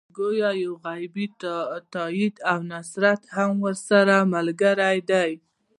ګویا یو غیبي تایید او نصرت هم ورسره ملګری دی.